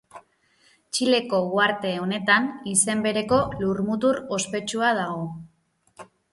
Txileko uharte honetan izen bereko lurmutur ospetsua dago.